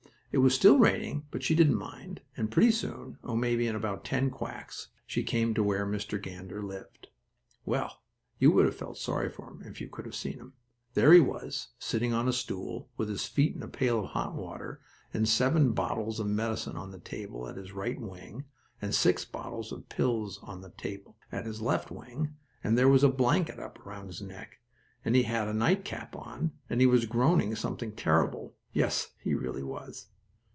It was still raining, but she didn't mind, and pretty soon, oh, maybe in about ten quacks, she came to where Mr. Gander lived. Well, you would have felt sorry for him if you could have seen him. There he was, sitting on a stool, with his feet in a pail of hot water, and seven bottles of medicine on a table at his right wing, and six bottles of pills on a table at his left wing, and there was a blanket up around his neck, and he had a nightcap on, and he was groaning something terrible; yes, really he was.